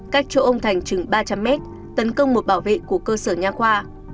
cách chỗ ông thành chừng ba trăm linh mét tấn công một bảo vệ của cơ sở nhà khoa